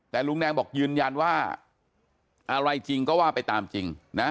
แต่ลุงแดงบอกยืนยันว่าอะไรจริงก็ว่าไปตามจริงนะ